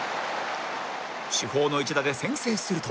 主砲の一打で先制すると